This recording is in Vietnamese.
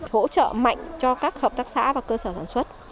hỗ trợ mạnh cho các hợp tác xã và cơ sở sản xuất